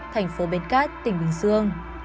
thành phố bến cát tỉnh bình dương